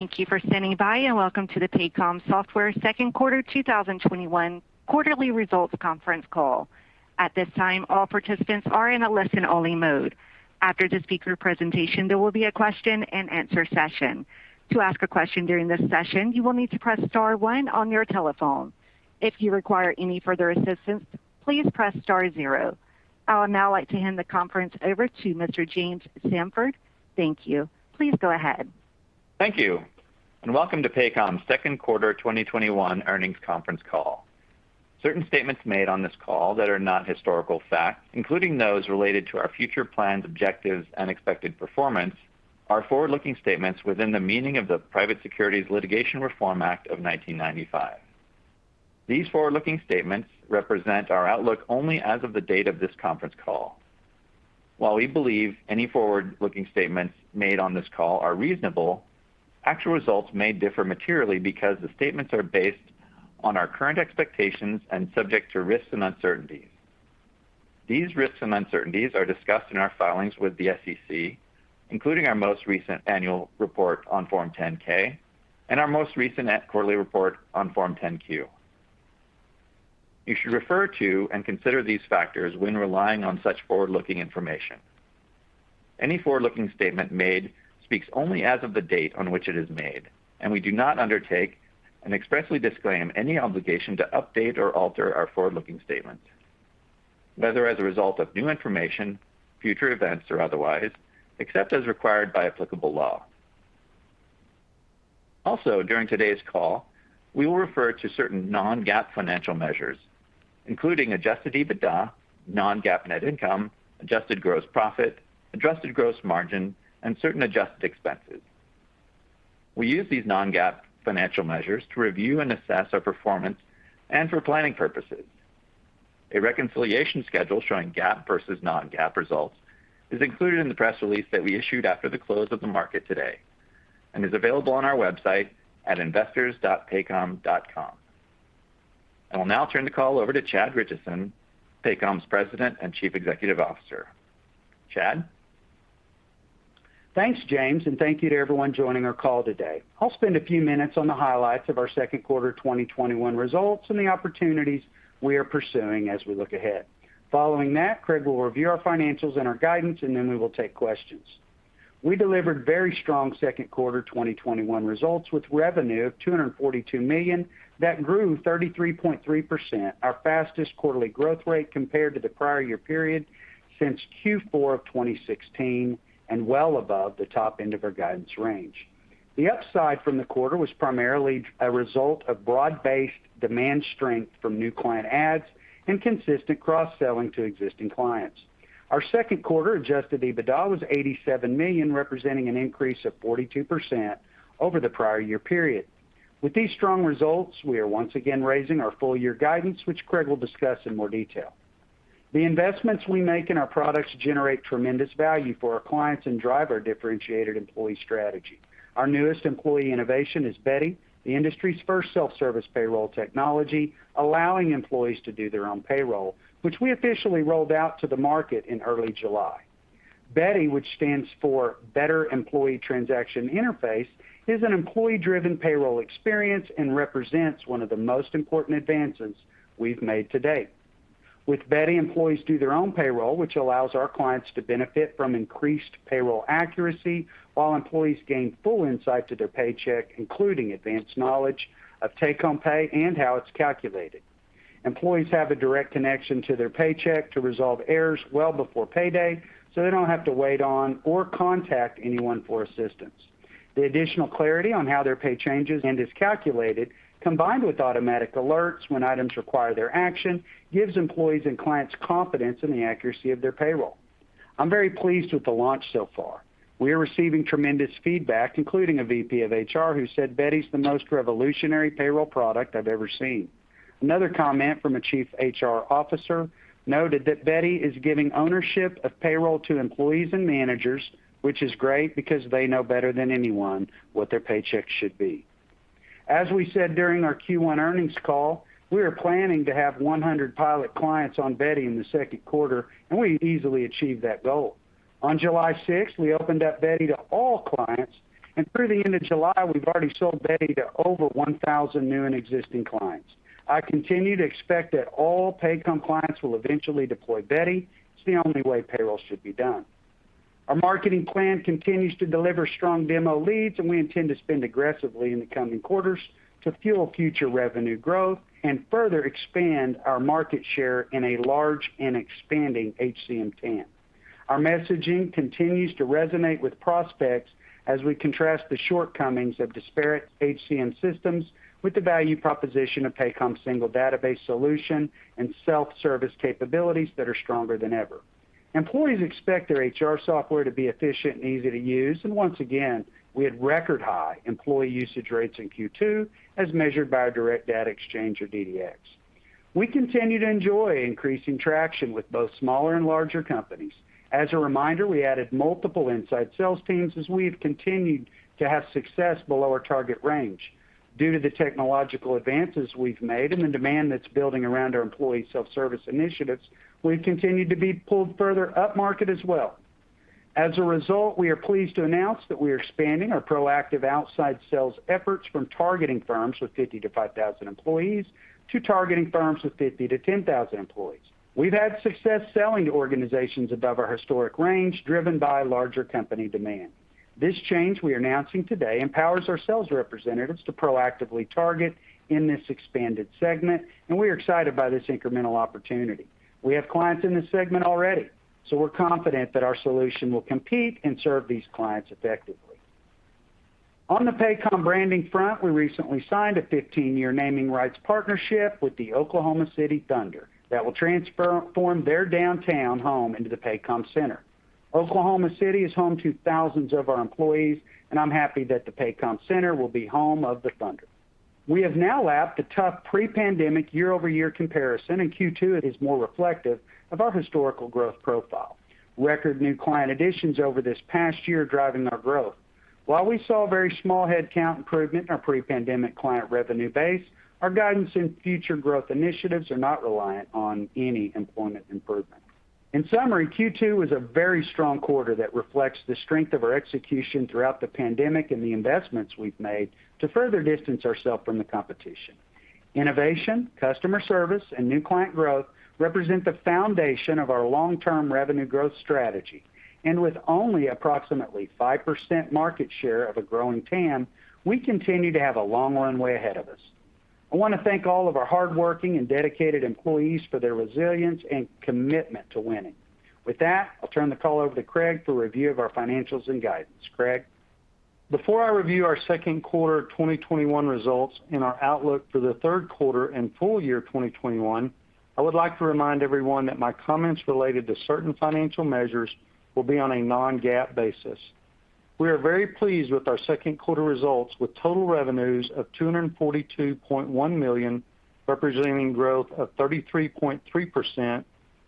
Thank you for standing by, and welcome to the Paycom Software second quarter 2021 quarterly results conference call. At this time, all participants are in a listen-only mode. After the speaker presentation, there will be a question-and-answer session. To ask a question during this session, you will need to press star one on your telephone. If you require any further assistance, please press star zero. I would now like to hand the conference over to Mr. James Samford. Thank you. Please go ahead. Thank you, and welcome to Paycom's second quarter 2021 earnings conference call. Certain statements made on this call that are not historical facts, including those related to our future plans, objectives, and expected performance, are forward-looking statements within the meaning of the Private Securities Litigation Reform Act of 1995. These forward-looking statements represent our outlook only as of the date of this conference call. While we believe any forward-looking statements made on this call are reasonable, actual results may differ materially because the statements are based on our current expectations and subject to risks and uncertainties. These risks and uncertainties are discussed in our filings with the SEC, including our most recent annual report on Form 10-K and our most recent quarterly report on Form 10-Q. You should refer to and consider these factors when relying on such forward-looking information. Any forward-looking statement made speaks only as of the date on which it is made, and we do not undertake and expressly disclaim any obligation to update or alter our forward-looking statements, whether as a result of new information, future events, or otherwise, except as required by applicable law. During today's call, we will refer to certain non-GAAP financial measures, including adjusted EBITDA, non-GAAP net income, adjusted gross profit, adjusted gross margin, and certain adjusted expenses. We use these non-GAAP financial measures to review and assess our performance and for planning purposes. A reconciliation schedule showing GAAP versus non-GAAP results is included in the press release that we issued after the close of the market today and is available on our website at investors.paycom.com. I will now turn the call over to Chad Richison, Paycom's President and Chief Executive Officer. Chad? Thanks, James, and thank you to everyone joining our call today. I'll spend a few minutes on the highlights of our second quarter 2021 results and the opportunities we are pursuing as we look ahead. Following that, Craig will review our financials and our guidance, and then we will take questions. We delivered very strong second quarter 2021 results with revenue of $242 million that grew 33.3%, our fastest quarterly growth rate compared to the prior year period since Q4 of 2016 and well above the top end of our guidance range. The upside from the quarter was primarily a result of broad-based demand strength from new client adds and consistent cross-selling to existing clients. Our second quarter adjusted EBITDA was $87 million, representing an increase of 42% over the prior year period. With these strong results, we are once again raising our full year guidance, which Craig will discuss in more detail. The investments we make in our products generate tremendous value for our clients and drive our differentiated employee strategy. Our newest employee innovation is Beti, the industry's first self-service payroll technology, allowing employees to do their own payroll, which we officially rolled out to the market in early July. Beti, which stands for Better Employee Transaction Interface, is an employee-driven payroll experience and represents one of the most important advances we've made to date. With Beti, employees do their own payroll, which allows our clients to benefit from increased payroll accuracy while employees gain full insight to their paycheck, including advanced knowledge of take-home pay and how it's calculated. Employees have a direct connection to their paycheck to resolve errors well before payday, they don't have to wait on or contact anyone for assistance. The additional clarity on how their pay changes and is calculated, combined with automatic alerts when items require their action, gives employees and clients confidence in the accuracy of their payroll. I'm very pleased with the launch so far. We are receiving tremendous feedback, including a VP of HR who said, "Beti's the most revolutionary payroll product I've ever seen." Another comment from a chief HR officer noted that, "Beti is giving ownership of payroll to employees and managers, which is great because they know better than anyone what their paycheck should be." As we said during our Q1 earnings call, we are planning to have 100 pilot clients on Beti in the second quarter, we easily achieved that goal. On July 6th, we opened up Beti to all clients, and through the end of July, we've already sold Beti to over 1,000 new and existing clients. I continue to expect that all Paycom clients will eventually deploy Beti. It's the only way payroll should be done. Our marketing plan continues to deliver strong demo leads, and we intend to spend aggressively in the coming quarters to fuel future revenue growth and further expand our market share in a large and expanding HCM TAM. Our messaging continues to resonate with prospects as we contrast the shortcomings of disparate HCM systems with the value proposition of Paycom's single database solution and self-service capabilities that are stronger than ever. Employees expect their HR software to be efficient and easy to use. Once again, we had record high employee usage rates in Q2 as measured by our Direct Data Exchange or DDX. We continue to enjoy increasing traction with both smaller and larger companies. As a reminder, we added multiple inside sales teams as we have continued to have success below our target range. Due to the technological advances we've made and the demand that's building around our employee self-service initiatives, we've continued to be pulled further upmarket as well. As a result, we are pleased to announce that we are expanding our proactive outside sales efforts from targeting firms with 50-5,000 employees to targeting firms with 50-10,000 employees. We've had success selling to organizations above our historic range, driven by larger company demand. This change we are announcing today empowers our sales representatives to proactively target in this expanded segment, and we are excited by this incremental opportunity. We have clients in this segment already, so we're confident that our solution will compete and serve these clients effectively. On the Paycom branding front, we recently signed a 15-year naming rights partnership with the Oklahoma City Thunder that will transform their downtown home into the Paycom Center. Oklahoma City is home to thousands of our employees, and I'm happy that the Paycom Center will be home of the Thunder. We have now lapped a tough pre-pandemic year-over-year comparison. In Q2, it is more reflective of our historical growth profile. Record new client additions over this past year driving our growth. While we saw very small headcount improvement in our pre-pandemic client revenue base, our guidance in future growth initiatives are not reliant on any employment improvement. In summary, Q2 was a very strong quarter that reflects the strength of our execution throughout the pandemic and the investments we've made to further distance ourself from the competition. Innovation, customer service, and new client growth represent the foundation of our long-term revenue growth strategy. With only approximately 5% market share of a growing TAM, we continue to have a long runway ahead of us. I wanna thank all of our hardworking and dedicated employees for their resilience and commitment to winning. With that, I'll turn the call over to Craig for review of our financials and guidance. Craig? Before I review our second quarter 2021 results and our outlook for the third quarter and full year 2021, I would like to remind everyone that my comments related to certain financial measures will be on a non-GAAP basis. We are very pleased with our second quarter results, with total revenues of $242.1 million, representing growth of 33.3%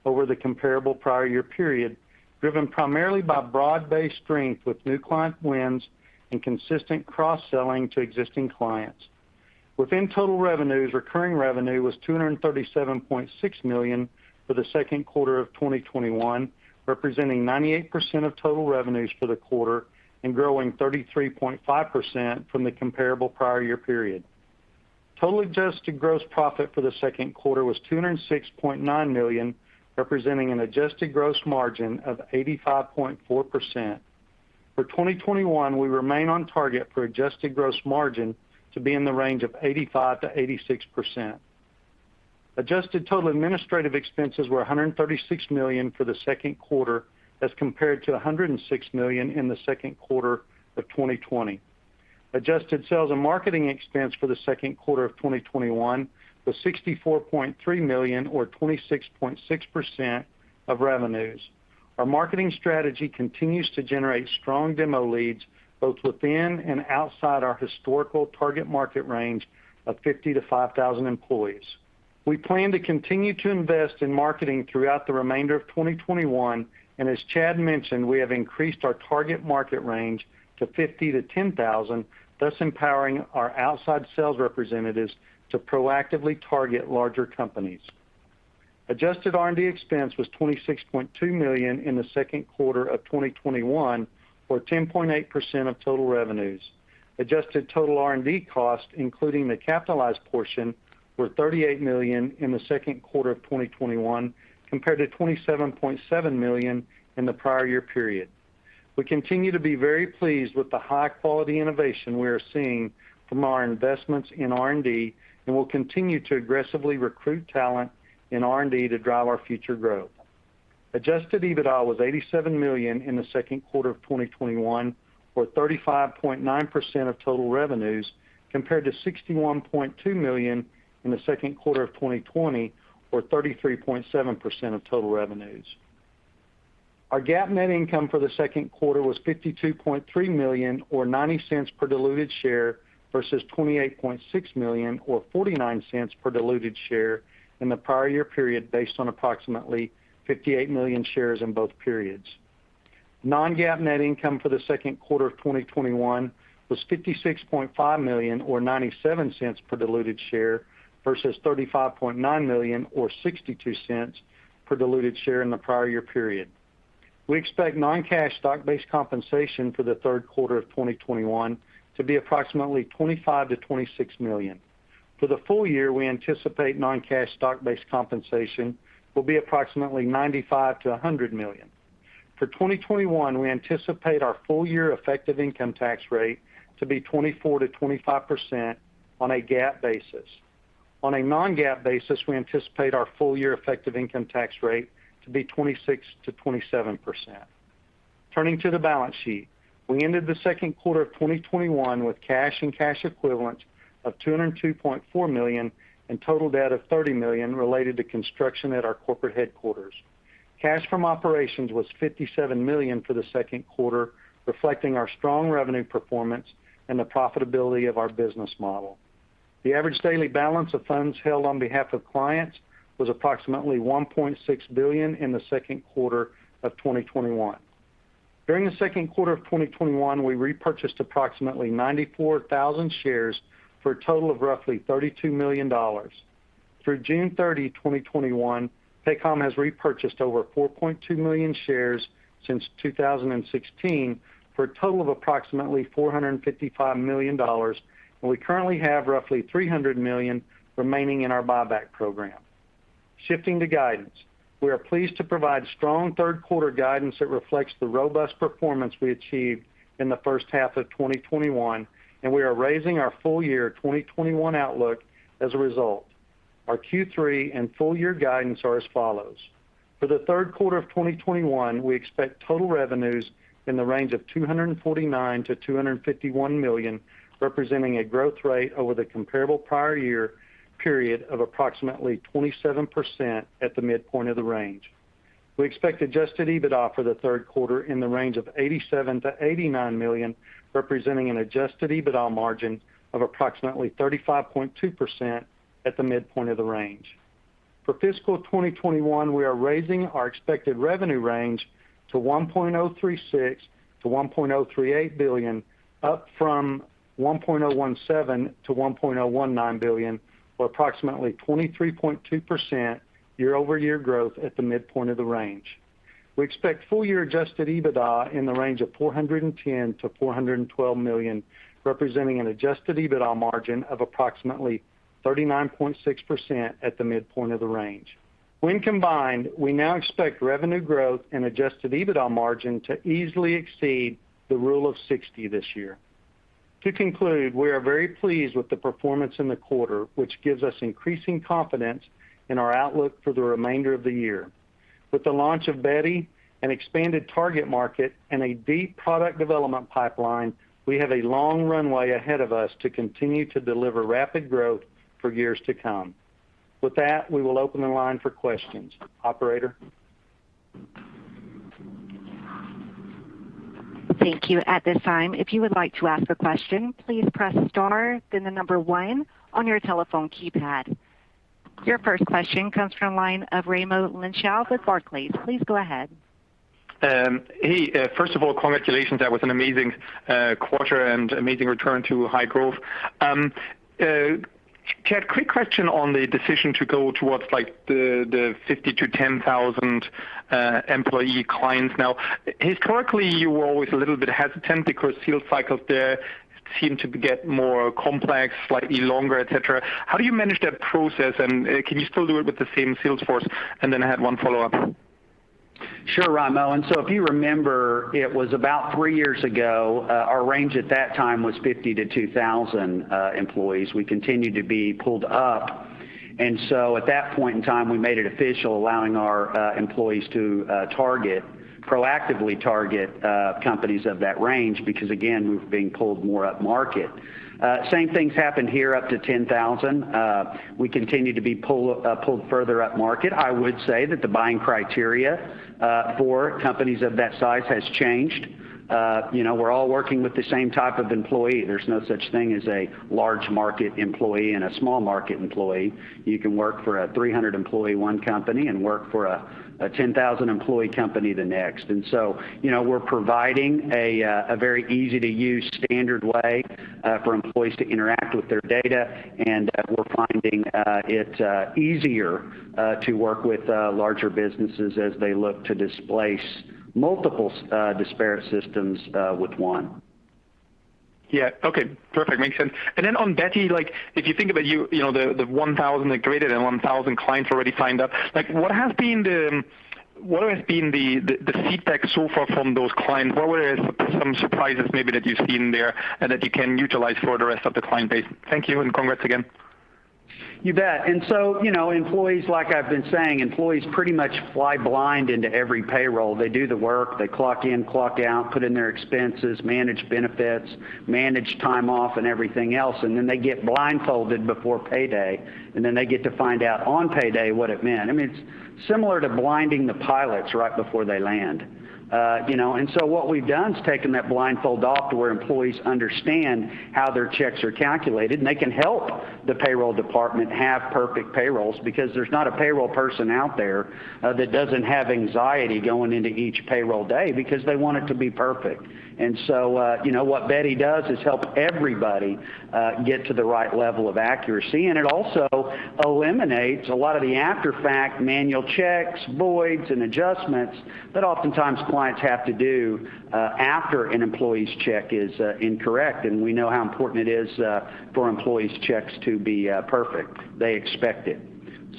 over the comparable prior year period, driven primarily by broad-based strength with new client wins and consistent cross-selling to existing clients. Within total revenues, recurring revenue was $237.6 million for the second quarter of 2021, representing 98% of total revenues for the quarter and growing 33.5% from the comparable prior year period. Total adjusted gross profit for the second quarter was $206.9 million, representing an adjusted gross margin of 85.4%. For 2021, we remain on target for adjusted gross margin to be in the range of 85%-86%. Adjusted total administrative expenses were $136 million for the second quarter as compared to $106 million in the second quarter of 2020. Adjusted sales and marketing expense for the second quarter of 2021 was $64.3 million or 26.6% of revenues. Our marketing strategy continues to generate strong demo leads both within and outside our historical target market range of 50-5,000 employees. We plan to continue to invest in marketing throughout the remainder of 2021, and as Chad mentioned, we have increased our target market range to 50-10,000, thus empowering our outside sales representatives to proactively target larger companies. Adjusted R&D expense was $26.2 million in the second quarter of 2021, or 10.8% of total revenues. Adjusted total R&D costs, including the capitalized portion, were $38 million in the second quarter of 2021 compared to $27.7 million in the prior year period. We continue to be very pleased with the high-quality innovation we are seeing from our investments in R&D, and we'll continue to aggressively recruit talent in R&D to drive our future growth. adjusted EBITDA was $87 million in the second quarter of 2021, or 35.9% of total revenues, compared to $61.2 million in the second quarter of 2020, or 33.7% of total revenues. Our GAAP net income for the second quarter was $52.3 million, or $0.90 per diluted share, versus $28.6 million or $0.49 per diluted share in the prior year period based on approximately 58 million shares in both periods. Non-GAAP net income for the second quarter of 2021 was $56.5 million or $0.97 per diluted share versus $35.9 million or $0.62 per diluted share in the prior year period. We expect non-cash stock-based compensation for the third quarter of 2021 to be approximately $25 million-$26 million. For the full year, we anticipate non-cash stock-based compensation will be approximately $95 million-$100 million. For 2021, we anticipate our full year effective income tax rate to be 24%-25% on a GAAP basis. On a non-GAAP basis, we anticipate our full year effective income tax rate to be 26%-27%. Turning to the balance sheet. We ended the second quarter of 2021 with cash and cash equivalents of $202.4 million and total debt of $30 million related to construction at our corporate headquarters. Cash from operations was $57 million for the second quarter, reflecting our strong revenue performance and the profitability of our business model. The average daily balance of funds held on behalf of clients was approximately $1.6 billion in the second quarter of 2021. During the second quarter of 2021, we repurchased approximately 94,000 shares for a total of roughly $32 million. Through June 30th, 2021, Paycom has repurchased over 4.2 million shares since 2016 for a total of approximately $455 million, and we currently have roughly $300 million remaining in our buyback program. Shifting to guidance, we are pleased to provide strong third quarter guidance that reflects the robust performance we achieved in the first half of 2021, and we are raising our full year 2021 outlook as a result. Our Q3 and full year guidance are as follows: For the third quarter of 2021, we expect total revenues in the range of $249 million-$251 million, representing a growth rate over the comparable prior year period of approximately 27% at the midpoint of the range. We expect adjusted EBITDA for the third quarter in the range of $87 million-$89 million, representing an adjusted EBITDA margin of approximately 35.2% at the midpoint of the range. For fiscal 2021, we are raising our expected revenue range to $1.036 billion-$1.038 billion, up from $1.017 billion-$1.019 billion, or approximately 23.2% year-over-year growth at the midpoint of the range. We expect full year adjusted EBITDA in the range of $410 million-$412 million, representing an adjusted EBITDA margin of approximately 39.6% at the midpoint of the range. When combined, we now expect revenue growth and adjusted EBITDA margin to easily exceed the Rule of 60 this year. To conclude, we are very pleased with the performance in the quarter, which gives us increasing confidence in our outlook for the remainder of the year. With the launch of Beti, an expanded target market, and a deep product development pipeline, we have a long runway ahead of us to continue to deliver rapid growth for years to come. With that, we will open the line for questions. Operator? Thank you. At this time, if you'd like to ask a question please press star then number one on your telephone keypad. Your first question comes from line of Raimo Lenschow with Barclays. Please go ahead. Hey, first of all, congratulations. That was an amazing quarter and amazing return to high growth. Chad, quick question on the decision to go towards, like, the 50-10,000 employee clients. Historically, you were always a little bit hesitant because sales cycles there seem to get more complex, slightly longer, et cetera. How do you manage that process, and can you still do it with the same sales force? Then I had one follow-up. Sure, Raimo. If you remember, it was about three years ago, our range at that time was 50-2,000 employees. We continued to be pulled up, at that point in time, we made it official, allowing our employees to target, proactively target, companies of that range because, again, we were being pulled more up market. Same thing's happened here up to 10,000. We continue to be pulled further up market. I would say that the buying criteria for companies of that size has changed. You know, we're all working with the same type of employee. There's no such thing as a large market employee and a small market employee. You can work for a 300 employee one company and work for a 10,000 employee company the next. You know, we're providing a very easy-to-use standard way for employees to interact with their data, and we're finding it easier to work with larger businesses as they look to displace multiple disparate systems with one. Yeah. Okay. Perfect. Makes sense. On Beti, like, if you think about you know, the 1,000 that created and 1,000 clients already signed up, like, what has been the feedback so far from those clients? What were some surprises maybe that you've seen there and that you can utilize for the rest of the client base? Thank you, and congrats again. You bet. You know, employees, like I've been saying, employees pretty much fly blind into every payroll. They do the work. They clock in, clock out, put in their expenses, manage benefits, manage time off and everything else, and then they get blindfolded before payday, and then they get to find out on payday what it meant. I mean, it's similar to blinding the pilots right before they land. You know, and so what we've done is taken that blindfold off to where employees understand how their checks are calculated, and they can help the payroll department have perfect payrolls because there's not a payroll person out there that doesn't have anxiety going into each payroll day because they want it to be perfect. You know, what Beti does is help everybody get to the right level of accuracy, and it also eliminates a lot of the after-fact manual checks, voids, and adjustments that oftentimes clients have to do after an employee's check is incorrect. We know how important it is for employees' checks to be perfect. They expect it.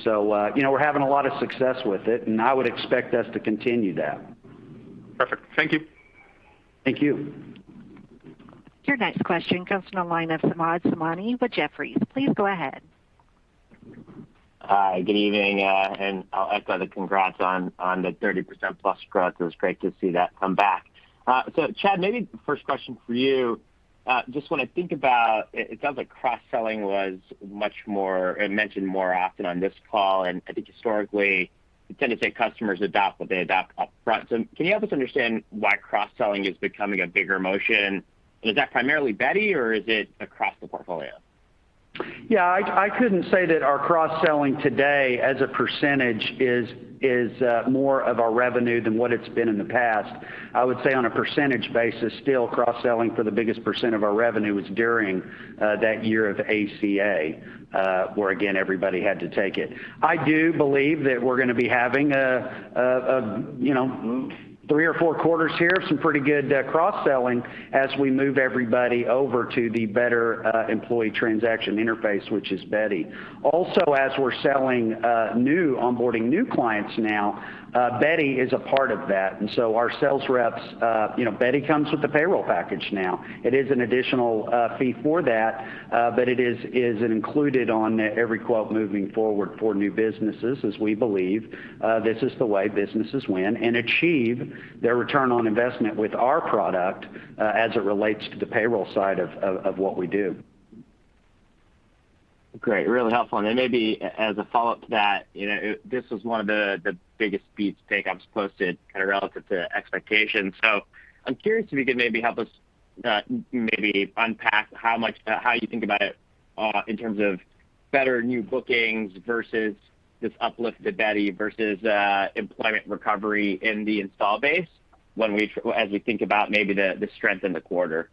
You know, we're having a lot of success with it, and I would expect us to continue that. Perfect. Thank you. Thank you. Your next question comes from the line of Samad Samana with Jefferies. Please go ahead. Hi, good evening. And I'll echo the congrats on the 30%+ growth. It was great to see that come back. Chad, maybe first question for you. Just when I think about, it sounds like cross-selling was much more mentioned more often on this call. I think historically, you tend to say customers adapt, but they adapt upfront. Can you help us understand why cross-selling is becoming a bigger motion? Is that primarily Beti, or is it across the portfolio? Yeah, I couldn't say that our cross-selling today as a percentage is more of our revenue than what it's been in the past. I would say on a percentage basis, still cross-selling for the biggest percent of our revenue was during that year of ACA, where again, everybody had to take it. I do believe that we're gonna be having a, you know, three or four quarters here of some pretty good cross-selling as we move everybody over to the Better Employee Transaction Interface, which is Beti. Also, as we're selling new onboarding new clients now, Beti is a part of that. Our sales reps, you know, Beti comes with the payroll package now. It is an additional fee for that, but it is included on every quote moving forward for new businesses as we believe, this is the way businesses win and achieve their return on investment with our product, as it relates to the payroll side of what we do. Great. Really helpful. Maybe as a follow-up to that, you know, this was one of the biggest beats take I was posted kind of relative to expectations. I'm curious if you could maybe help us maybe unpack how much how you think about it in terms of better new bookings versus this uplifted Beti versus employment recovery in the install base as we think about maybe the strength in the quarter.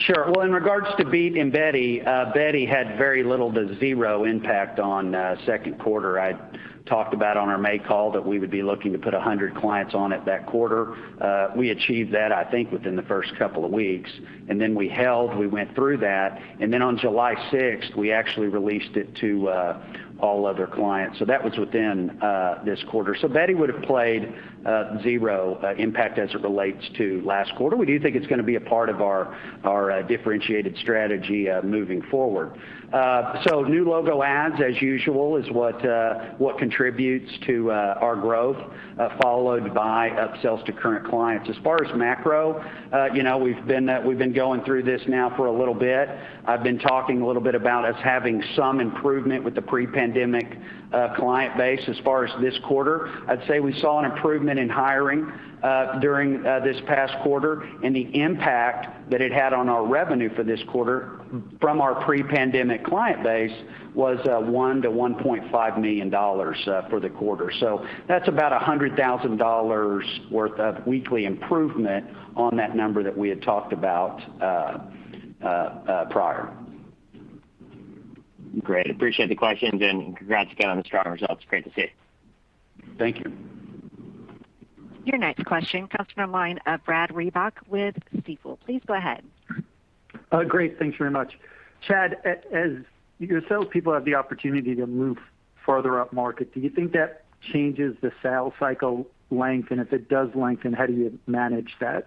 Sure. Well, in regards to Beti in Beti had very little to zero impact on second quarter. I talked about on our May call that we would be looking to put 100 clients on it that quarter. We achieved that, I think, within the first couple of weeks. We went through that. On July 6th, we actually released it to all other clients. That was within this quarter. Beti would have played zero impact as it relates to last quarter. We do think it's gonna be a part of our differentiated strategy moving forward. New logo ads, as usual, is what contributes to our growth followed by upsells to current clients. As far as macro, you know, we've been going through this now for a little bit. I've been talking a little bit about us having some improvement with the pre-pandemic client base as far as this quarter. I'd say we saw an improvement in hiring during this past quarter, and the impact that it had on our revenue for this quarter from our pre-pandemic client base was $1 million-$1.5 million for the quarter. That's about $100,000 worth of weekly improvement on that number that we had talked about prior. Great. Appreciate the questions, and congrats again on the strong results. Great to see. Thank you. Your next question comes from line of Brad Reback with Stifel. Please go ahead. Great. Thanks very much. Chad, as your salespeople have the opportunity to move further up market, do you think that changes the sales cycle length? If it does lengthen, how do you manage that?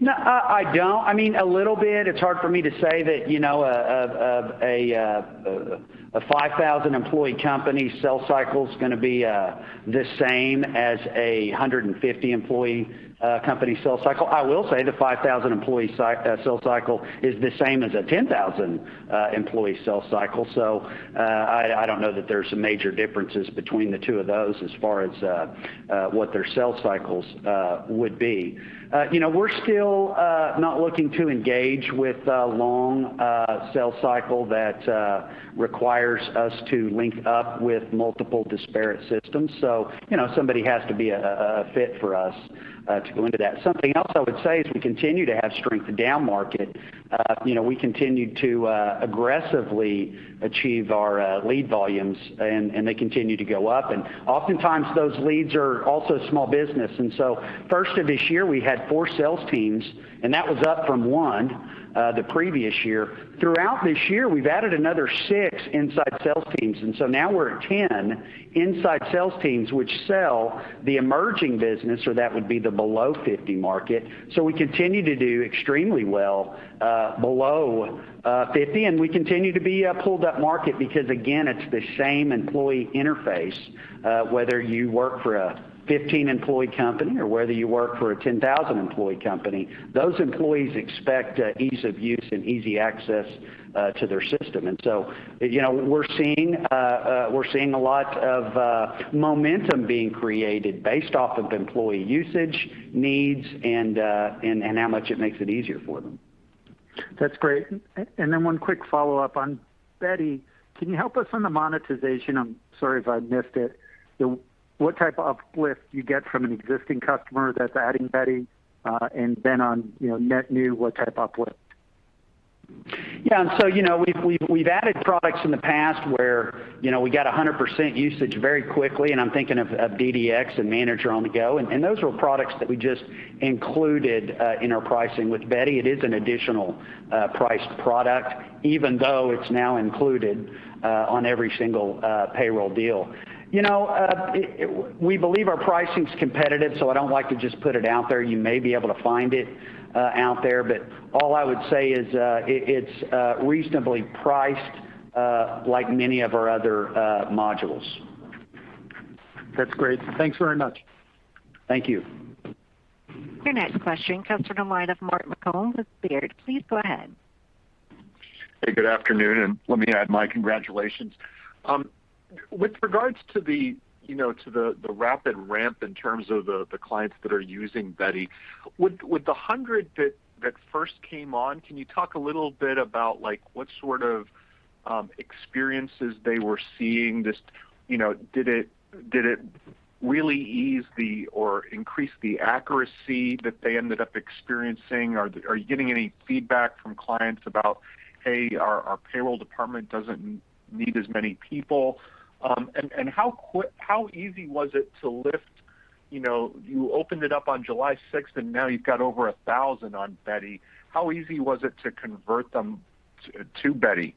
No, I don't. I mean, a little bit. It's hard for me to say that, you know, a 5,000 employee company sales cycle is gonna be the same as a 150 employee company sales cycle. I will say the 5,000 employee sales cycle is the same as a 10,000 employee sales cycle. I don't know that there's some major differences between the two of those as far as what their sales cycles would be. You know, we're still not looking to engage with a long sales cycle that requires us to link up with multiple disparate systems. You know, somebody has to be a fit for us to go into that. Something else I would say is we continue to have strength down market. You know, we continue to aggressively achieve our lead volumes, and they continue to go up. Oftentimes, those leads are also small business. First of this year, we had four sales teams, and that was up from one the previous year. Throughout this year, we've added another six inside sales teams, and so now we're at 10 inside sales teams, which sell the emerging business, so that would be the below 50 market. We continue to do extremely well below 50, and we continue to be a pulled-up market because, again, it's the same employee interface. Whether you work for a 15-employee company or whether you work for a 10,000-employee company, those employees expect ease of use and easy access to their system. You know, we're seeing a lot of momentum being created based off of employee usage needs and, and how much it makes it easier for them. That's great. One quick follow-up on Beti. Can you help us on the monetization? I'm sorry if I missed it. What type of uplift do you get from an existing customer that's adding Beti, and then on, you know, net new, what type of uplift? Yeah. You know, we've added products in the past where, you know, we got 100% usage very quickly, and I'm thinking of DDX and Manager on-the-Go. Those were products that we just included in our pricing. With Beti, it is an additional priced product, even though it's now included on every single payroll deal. You know, we believe our pricing's competitive, so I don't like to just put it out there. You may be able to find it out there. All I would say is it's reasonably priced like many of our other modules. That's great. Thanks very much. Thank you. Your next question comes from the line of Mark Marcon with Baird. Please go ahead. Hey, good afternoon, and let me add my congratulations. With regards to the, you know, to the rapid ramp in terms of the clients that are using Beti, would the 100 that first came on, can you talk a little bit about, like, what sort of experiences they were seeing? Just, you know, did it really ease the or increase the accuracy that they ended up experiencing? Are you getting any feedback from clients about, "Hey, our payroll department doesn't need as many people"? How easy was it to lift You know, you opened it up on July 6th, and now you've got over 1,000 on Beti. How easy was it to convert them to Beti?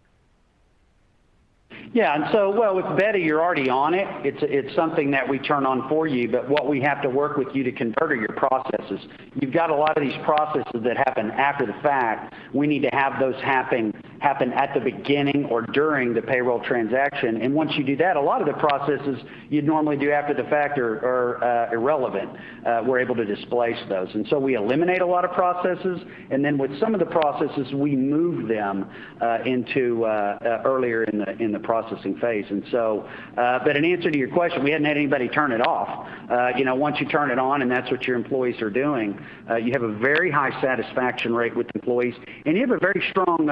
Yeah. Well, with Beti, you're already on it. It's something that we turn on for you. What we have to work with you to convert are your processes. You've got a lot of these processes that happen after the fact. We need to have those happen at the beginning or during the payroll transaction. Once you do that, a lot of the processes you'd normally do after the fact are irrelevant. We're able to displace those. We eliminate a lot of processes, with some of the processes, we move them into earlier in the processing phase. In answer to your question, we hadn't had anybody turn it off. You know, once you turn it on, and that's what your employees are doing, you have a very high satisfaction rate with employees, and you have a very strong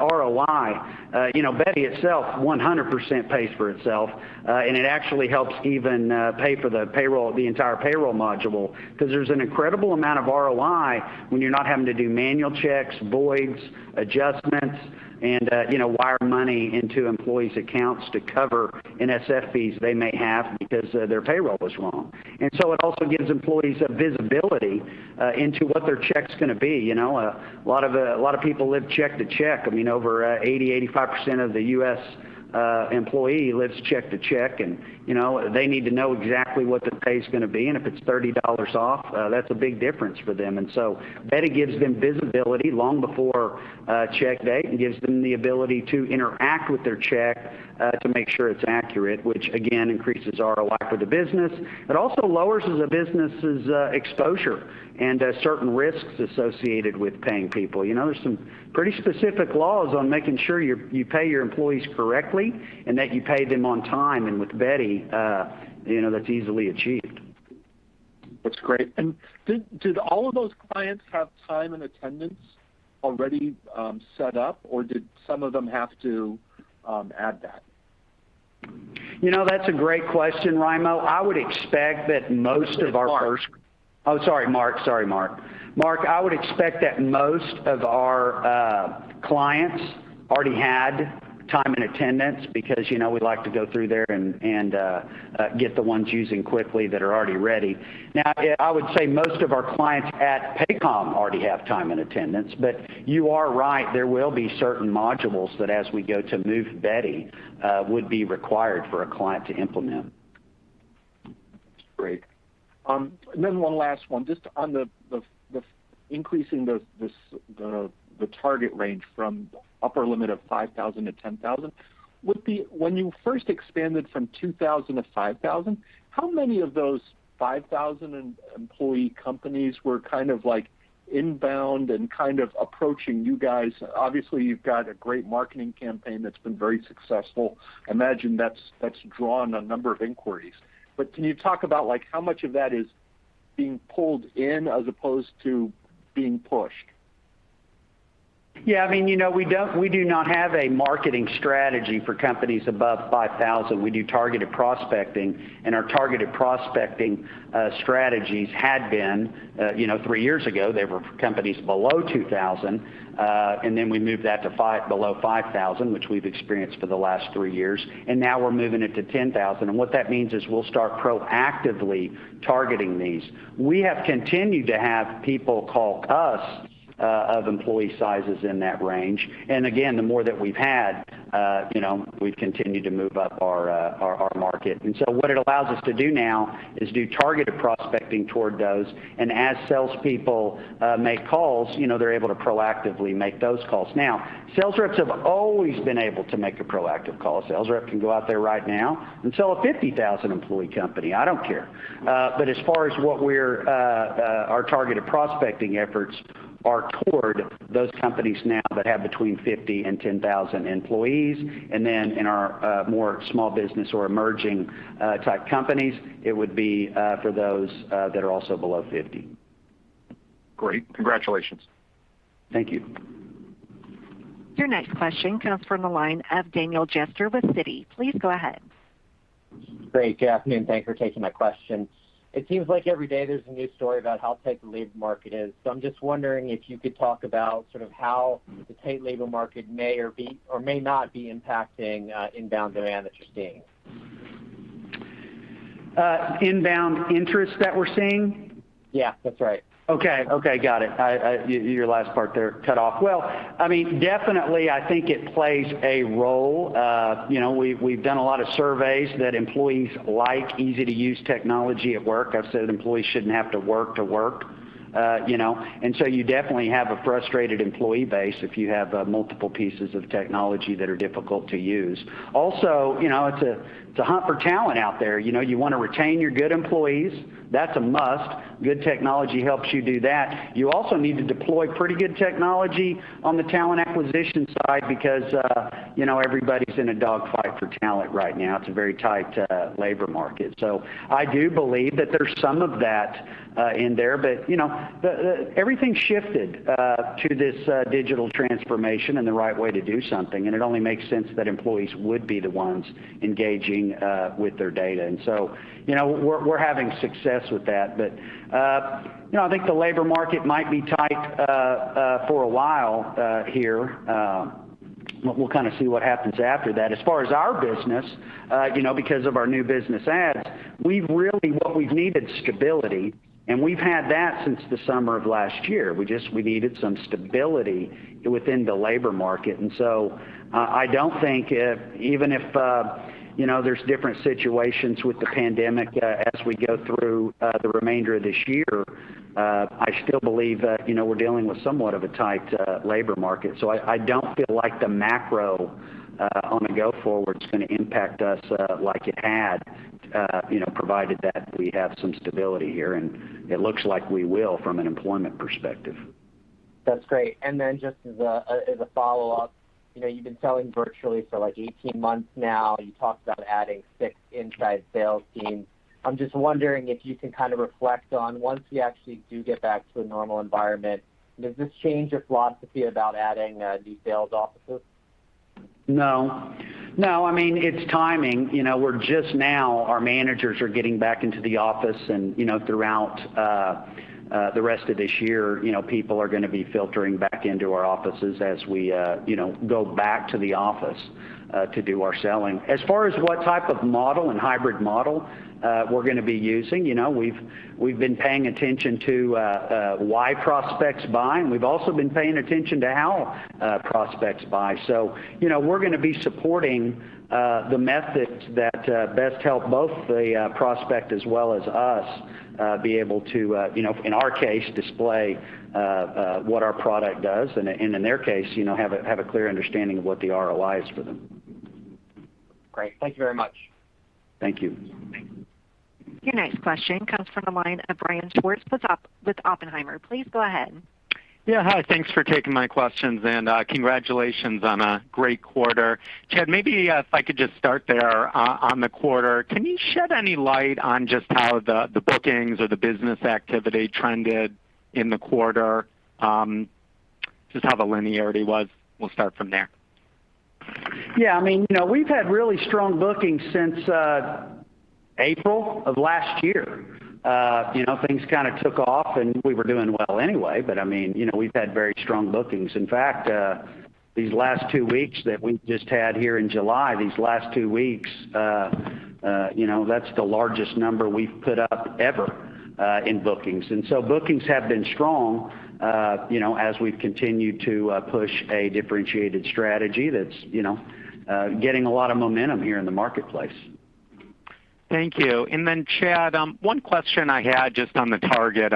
ROI. You know, Beti itself 100% pays for itself, and it actually helps even pay for the payroll, the entire payroll module, 'cause there's an incredible amount of ROI when you're not having to do manual checks, voids, adjustments, and, you know, wire money into employees' accounts to cover NSF fees they may have because their payroll was wrong. It also gives employees a visibility into what their check's gonna be, you know. A lot of people live check to check. I mean, over, 80%-85% of the U.S. employee lives check to check and, you know, they need to know exactly what the pay's gonna be. If it's $30 off, that's a big difference for them. Beti gives them visibility long before a check date and gives them the ability to interact with their check, to make sure it's accurate, which again increases ROI for the business. It also lowers the business's exposure and certain risks associated with paying people. You know, there's some pretty specific laws on making sure you pay your employees correctly and that you pay them on time. With Beti, you know, that's easily achieved. That's great. Did all of those clients have time and attendance already set up, or did some of them have to add that? You know, that's a great question, Mark. I would expect that most of our first- Mark. Oh, sorry, Mark. Mark, I would expect that most of our clients already had time and attendance because, you know, we like to go through there and get the ones using quickly that are already ready. Now, I would say most of our clients at Paycom already have time and attendance, but you are right. There will be certain modules that as we go to move Beti would be required for a client to implement. Great. And then one last one just on the increasing the target range from upper limit of 5,000-10,000. When you first expanded from 2,000-5,000, how many of those 5,000 employee companies were kind of, like, inbound and kind of approaching you guys? Obviously, you've got a great marketing campaign that's been very successful. I imagine that's drawn a number of inquiries. Can you talk about, like, how much of that is being pulled in as opposed to being pushed? Yeah. I mean, you know, we do not have a marketing strategy for companies above 5,000. We do targeted prospecting, our targeted prospecting strategies had been, you know, three years ago, they were for companies below 2,000. Then we moved that to below 5,000, which we've experienced for the last three years, now we're moving it to 10,000. What that means is we'll start proactively targeting these. We have continued to have people call us of employee sizes in that range. Again, the more that we've had, you know, we've continued to move up our market. What it allows us to do now is do targeted prospecting toward those. As salespeople make calls, you know, they're able to proactively make those calls. Now, sales reps have always been able to make a proactive call. A sales rep can go out there right now and sell a 50,000-employee company. I don't care. But as far as what we're our targeted prospecting efforts are toward those companies now that have between 50 and 10,000 employees, and then in our more small business or emerging type companies, it would be for those that are also below 50. Great. Congratulations. Thank you. Your next question comes from the line of Daniel Jester with Citi. Please go ahead. Great. Good afternoon. Thanks for taking my question. It seems like every day there's a new story about how tight the labor market is. I'm just wondering if you could talk about sort of how the tight labor market may or may not be impacting inbound demand that you're seeing. Inbound interest that we're seeing? Yeah, that's right. Okay. Okay, got it. Your last part there cut off. Well, I mean, definitely I think it plays a role. You know, we've done a lot of surveys that employees like easy-to-use technology at work. I've said employees shouldn't have to work to work, you know. You definitely have a frustrated employee base if you have multiple pieces of technology that are difficult to use. Also, you know, it's a hunt for talent out there. You know, you wanna retain your good employees, that's a must. Good technology helps you do that. You also need to deploy pretty good technology on the talent acquisition side because, you know, everybody's in a dog fight for talent right now. It's a very tight labor market. I do believe that there's some of that in there, but, you know, Everything shifted to this digital transformation and the right way to do something, and it only makes sense that employees would be the ones engaging with their data. You know, we're having success with that. You know, I think the labor market might be tight for a while here. We'll kind of see what happens after that. As far as our business, you know, because of our new business ads, what we've needed is stability, and we've had that since the summer of last year. We just needed some stability within the labor market. I don't think, even if, you know, there's different situations with the pandemic, as we go through, the remainder of this year, I still believe, you know, we're dealing with somewhat of a tight labor market. I don't feel like the macro, on the go-forward's gonna impact us, like it had, you know, provided that we have some stability here, and it looks like we will from an employment perspective. That's great. Just as a, as a follow-up, you know, you've been selling virtually for, like, 18 months now. You talked about adding six inside sales teams. I'm just wondering if you can kind of reflect on once you actually do get back to a normal environment, does this change your philosophy about adding these sales offices? No. No, I mean, it's timing. You know, we're just now, our managers are getting back into the office and, you know, throughout the rest of this year, you know, people are gonna be filtering back into our offices as we, you know, go back to the office to do our selling. As far as what type of model and hybrid model we're gonna be using, you know, we've been paying attention to why prospects buy, and we've also been paying attention to how prospects buy. you know, we're gonna be supporting the methods that best help both the prospect as well as us be able to, you know, in our case, display what our product does and in their case, you know, have a clear understanding of what the ROI is for them. Great. Thank you very much. Thank you. Your next question comes from the line of Brian Schwartz with Oppenheimer. Please go ahead. Yeah. Hi, thanks for taking my questions, and congratulations on a great quarter. Chad, maybe, if I could just start there, on the quarter. Can you shed any light on just how the bookings or the business activity trended in the quarter? Just how the linearity was? We'll start from there. Yeah. I mean, you know, we've had really strong bookings since April of last year. You know, things kinda took off, and we were doing well anyway, but I mean, you know, we've had very strong bookings. In fact, these last two weeks that we've just had here in July, you know, that's the largest number we've put up ever in bookings. Bookings have been strong, you know, as we've continued to push a differentiated strategy that's, you know, getting a lot of momentum here in the marketplace. Thank you. Chad, one question I had just on the target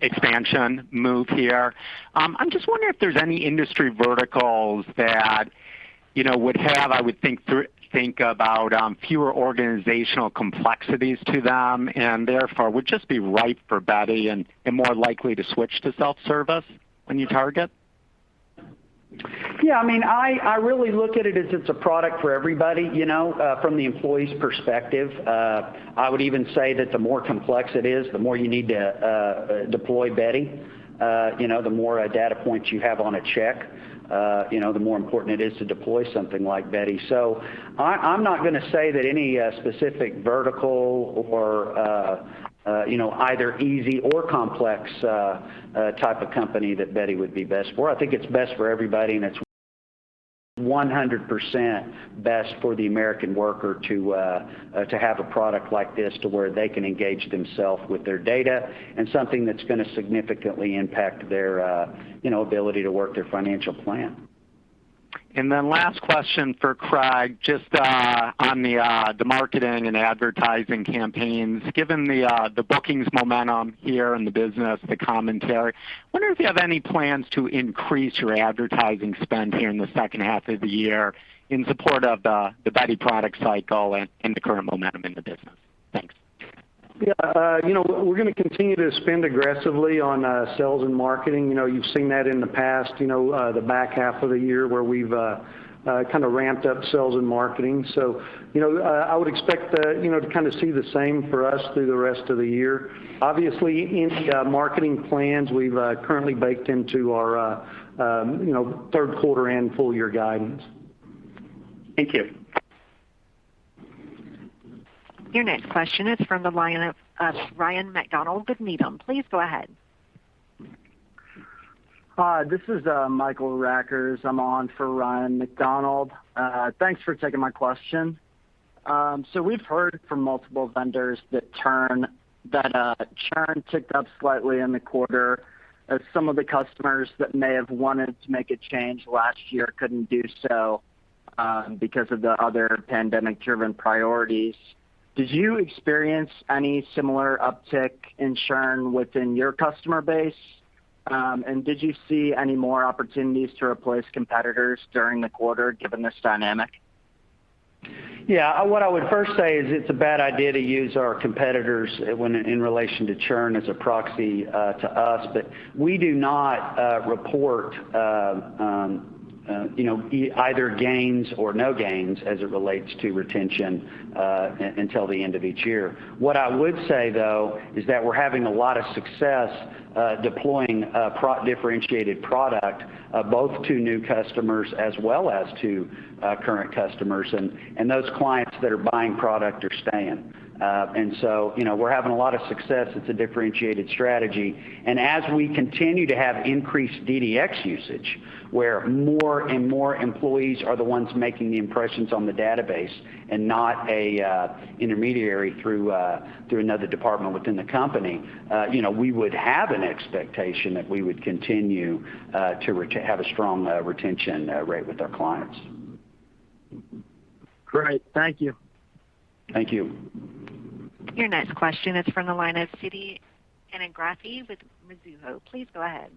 expansion move here. I'm just wondering if there's any industry verticals that, you know, would have, I would think think about, fewer organizational complexities to them and therefore would just be ripe for Beti and more likely to switch to self-service when you target? Yeah. I mean, I really look at it as it's a product for everybody, you know, from the employee's perspective. I would even say that the more complex it is, the more you need to deploy Beti. You know, the more data points you have on a check, you know, the more important it is to deploy something like Beti. I'm not gonna say that any specific vertical or, you know, either easy or complex type of company that Beti would be best for. I think it's best for everybody, and it's 100% best for the American worker to have a product like this to where they can engage themself with their data and something that's gonna significantly impact their, you know, ability to work their financial plan. Last question for Craig, just on the marketing and advertising campaigns. Given the bookings momentum here in the business, the commentary, wondering if you have any plans to increase your advertising spend here in the second half of the year in support of the Beti product cycle and the current momentum in the business. Thanks. Yeah. you know, we're gonna continue to spend aggressively on sales and marketing. You know, you've seen that in the past, you know, the back half of the year where we've kind of ramped up sales and marketing. you know, I would expect, you know, to kind of see the same for us through the rest of the year. Obviously, any marketing plans we've currently baked into our, you know, third quarter and full year guidance. Thank you. Your next question is from the line of Ryan MacDonald with Needham. Please go ahead. Hi, this is Michael Rackers. I'm on for Ryan MacDonald. Thanks for taking my question. We've heard from multiple vendors that churn ticked up slightly in the quarter as some of the customers that may have wanted to make a change last year couldn't do so because of the other pandemic-driven priorities. Did you experience any similar uptick in churn within your customer base? Did you see any more opportunities to replace competitors during the quarter, given this dynamic? Yeah. What I would first say is it's a bad idea to use our competitors when in relation to churn as a proxy to us. We do not report, you know, either gains or no gains as it relates to retention until the end of each year. What I would say, though, is that we're having a lot of success deploying a differentiated product both to new customers as well as to current customers. Those clients that are buying product are staying. You know, we're having a lot of success. It's a differentiated strategy. As we continue to have increased DDX usage, where more and more employees are the ones making the impressions on the database and not a intermediary through through another department within the company, you know, we would have an expectation that we would continue to have a strong retention rate with our clients. Great. Thank you. Thank you. Your next question is from the line of Siti Panigrahi with Mizuho. Please go ahead.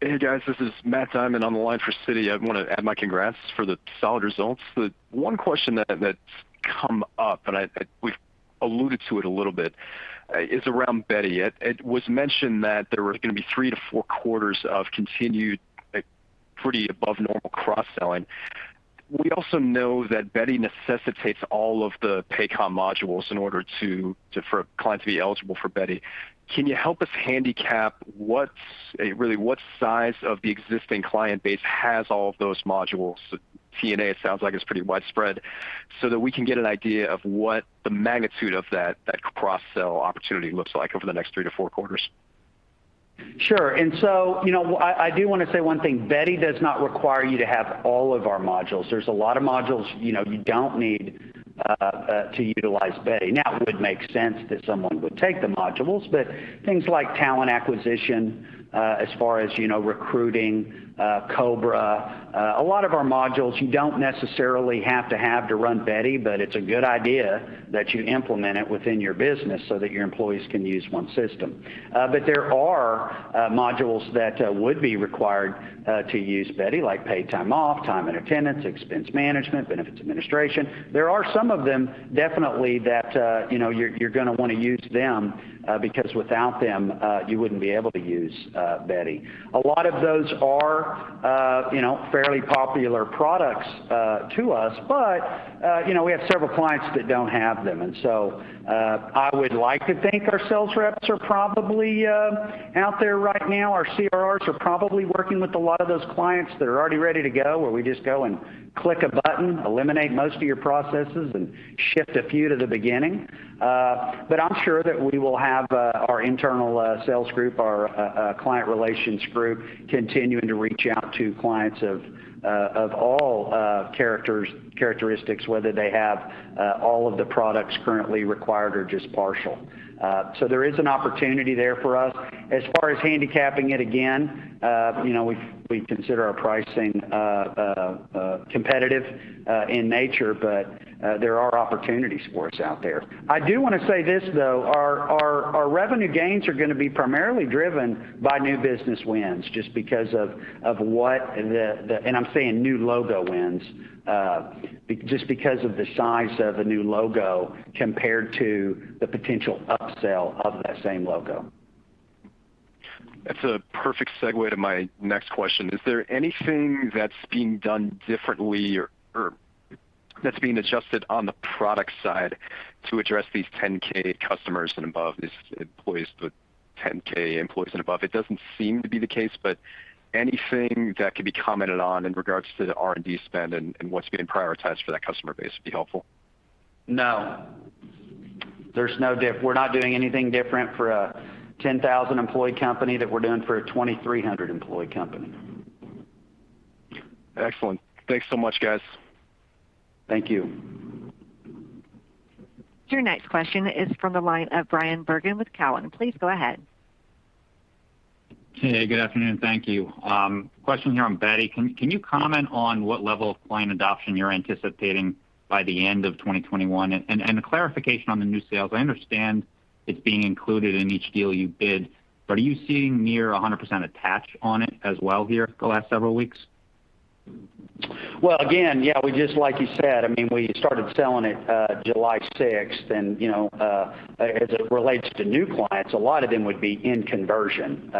Hey, guys. This is Matt Diamond on the line for Siti. I wanna add my congrats for the solid results. The one question that's come up, and I, we've alluded to it a little bit, is around Beti. It was mentioned that there were gonna be three to four quarters of continued, like, pretty above normal cross-selling. We also know that Beti necessitates all of the Paycom modules for a client to be eligible for Beti. Can you help us handicap what's really what size of the existing client base has all of those modules? T&A, it sounds like, is pretty widespread, so that we can get an idea of what the magnitude of that cross-sell opportunity looks like over the next three to four quarters. Sure. You know, I do wanna say one thing, Beti does not require you to have all of our modules. There's a lot of modules, you know, you don't need to utilize Beti. Now, it would make sense that someone would take the modules, but things like talent acquisition, as far as, you know, recruiting, COBRA, a lot of our modules you don't necessarily have to have to run Beti, but it's a good idea that you implement it within your business so that your employees can use one system. There are modules that would be required to use Beti, like paid time off, time and attendance, expense management, benefits administration. There are some of them, definitely, that, you know, you're gonna wanna use them, because without them, you wouldn't be able to use Beti. A lot of those are, you know, fairly popular products to us, but, you know, we have several clients that don't have them. I would like to think our sales reps are probably out there right now. Our CRRs are probably working with a lot of those clients that are already ready to go, where we just go and click a button, eliminate most of your processes, and shift a few to the beginning. I'm sure that we will have our internal Sales Group, our Client Relations Group continuing to reach out to clients of all characters, characteristics, whether they have all of the products currently required or just partial. There is an opportunity there for us. As far as handicapping it, again, you know, we consider our pricing competitive in nature, but there are opportunities for us out there. I do wanna say this, though, our revenue gains are gonna be primarily driven by new business wins just because of And I'm saying new logo wins, just because of the size of a new logo compared to the potential upsell of that same logo. That's a perfect segue to my next question. Is there anything that's being done differently or that's being adjusted on the product side to address these 10,000 customers and above, these employees with 10,000 employees and above? Anything that could be commented on in regards to the R&D spend and what's being prioritized for that customer base would be helpful. No. We're not doing anything different for a 10,000 employee company that we're doing for a 2,300 employee company. Excellent. Thanks so much, guys. Thank you. Your next question is from the line of Bryan Bergin with Cowen. Please go ahead. Hey, good afternoon. Thank you. Question here on Beti. Can you comment on what level of client adoption you're anticipating by the end of 2021? A clarification on the new sales. I understand it's being included in each deal you bid. Are you seeing near 100% attach on it as well here the last several weeks? Well, again, yeah, we just, like you said, I mean, we started selling it July 6th. You know, as it relates to new clients, a lot of them would be in conversion.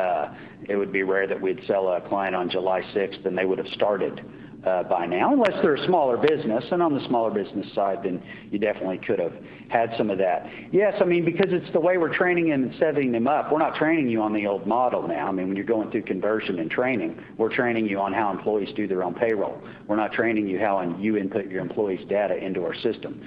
It would be rare that we'd sell a client on July 6th, and they would have started by now, unless they're a smaller business. On the smaller business side, then you definitely could have had some of that. Yes, I mean, because it's the way we're training and setting them up. We're not training you on the old model now. I mean, when you're going through conversion and training, we're training you on how employees do their own payroll. We're not training you how on you input your employees' data into our system.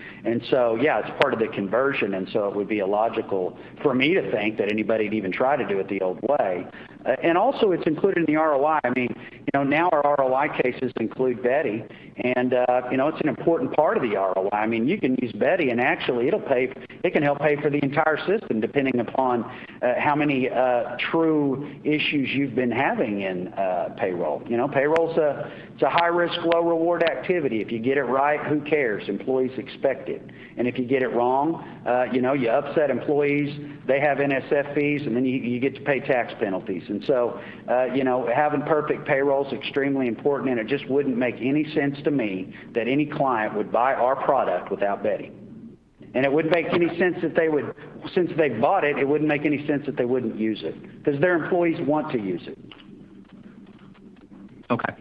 So, yeah, it's part of the conversion. It would be illogical for me to think that anybody would even try to do it the old way. It's included in the ROI. I mean, you know, now our ROI cases include Beti. You know, it's an important part of the ROI. I mean, you can use Beti, and actually it can help pay for the entire system, depending upon how many true issues you've been having in payroll. You know, payroll's a, it's a high risk, low reward activity. If you get it right, who cares? Employees expect it. If you get it wrong, you know, you upset employees, they have NSF fees, and then you get to pay tax penalties. You know, having perfect payroll is extremely important, and it just wouldn't make any sense to me that any client would buy our product without Beti. It wouldn't make any sense since they bought it, that they wouldn't use it, because their employees want to use it. Okay.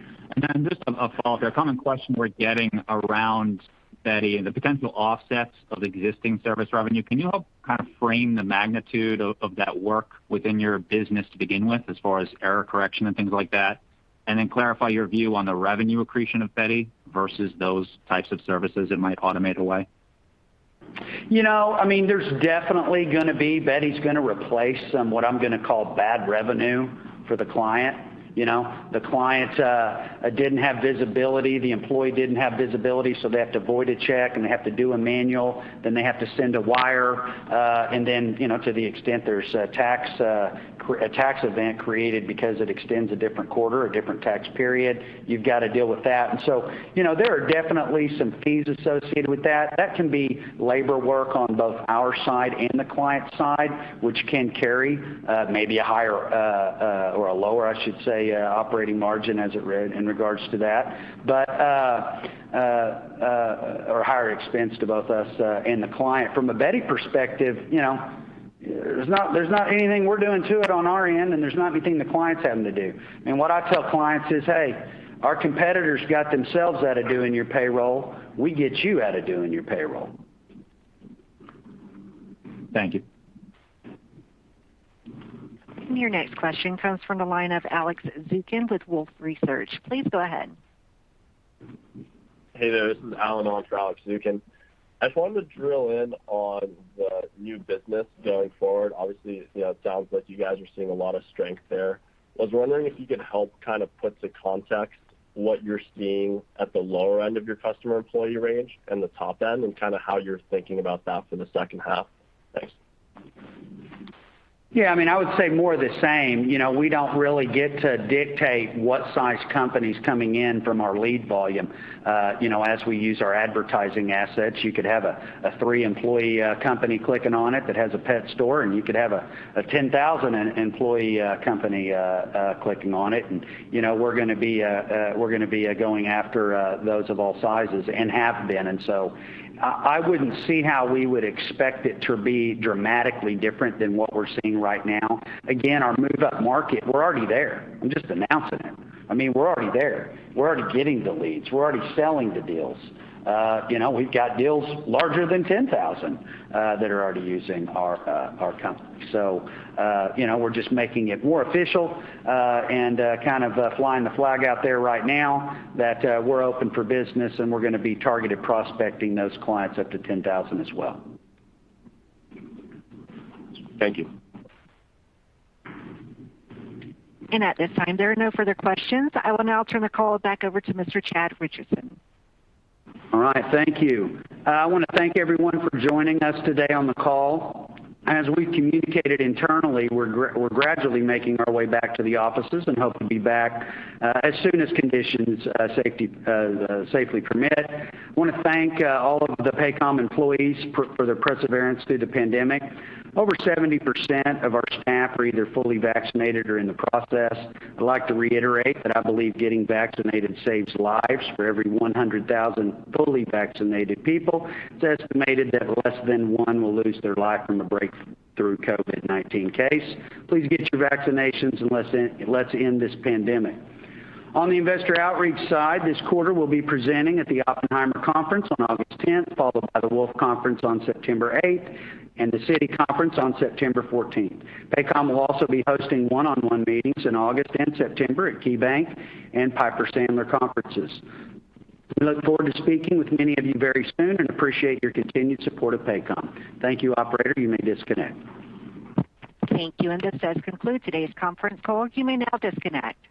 Just a follow-up here. A common question we're getting around Beti and the potential offsets of existing service revenue. Can you help kind of frame the magnitude of that work within your business to begin with as far as error correction and things like that? Then clarify your view on the revenue accretion of Beti versus those types of services it might automate away. You know, I mean, there's definitely gonna be Beti's gonna replace some, what I'm gonna call bad revenue for the client. You know, the client didn't have visibility, the employee didn't have visibility, so they have to void a check, and they have to do a manual, then they have to send a wire. You know, to the extent there's a tax, a tax event created because it extends a different quarter or different tax period, you've got to deal with that. You know, there are definitely some fees associated with that. That can be labor work on both our side and the client side, which can carry, maybe a higher, or a lower, I should say, operating margin in regards to that. Or higher expense to both us and the client. From a Beti perspective, you know, there's not anything we're doing to it on our end, and there's not anything the client's having to do. What I tell clients is, "Hey. Our competitors got themselves out of doing your payroll. We get you out of doing your payroll. Thank you. Your next question comes from the line of Alex Zukin with Wolfe Research. Please go ahead. Hey there. This is Alan on for Alex Zukin. I just wanted to drill in on the new business going forward. Obviously, you know, it sounds like you guys are seeing a lot of strength there. I was wondering if you could help kind of put to context what you're seeing at the lower end of your customer employee range and the top end, and kind of how you're thinking about that for the second half. Thanks. Yeah, I mean, I would say more the same. You know, we don't really get to dictate what size company's coming in from our lead volume. You know, as we use our advertising assets, you could have a three-employee company clicking on it that has a pet store, and you could have a 10,000-employee company clicking on it. You know, we're gonna be going after those of all sizes and have been. I wouldn't see how we would expect it to be dramatically different than what we're seeing right now. Again, our move-up market, we're already there. I'm just announcing it. I mean, we're already there. We're already getting the leads. We're already selling the deals. You know, we've got deals larger than 10,000 that are already using our company. You know, we're just making it more official and kind of flying the flag out there right now that we're open for business, and we're gonna be targeted prospecting those clients up to 10,000 as well. Thank you. At this time, there are no further questions. I will now turn the call back over to Mr. Chad Richison. All right. Thank you. I wanna thank everyone for joining us today on the call. As we communicated internally, we're gradually making our way back to the offices and hope to be back as soon as conditions safety safely permit. I wanna thank all of the Paycom employees for their perseverance through the pandemic. Over 70% of our staff are either fully vaccinated or in the process. I'd like to reiterate that I believe getting vaccinated saves lives. For every 100,000 fully vaccinated people, it's estimated that less than one will lose their life from a breakthrough COVID-19 case. Please get your vaccinations, and let's end this pandemic. On the investor outreach side, this quarter we'll be presenting at the Oppenheimer Conference on August 10th, followed by the Wolfe Conference on September 8th and the Citi Conference on September 14th. Paycom will also be hosting one-on-one meetings in August and September at KeyBanc and Piper Sandler conferences. We look forward to speaking with many of you very soon and appreciate your continued support of Paycom. Thank you, operator. You may disconnect. Thank you. This does conclude today's conference call. You may now disconnect.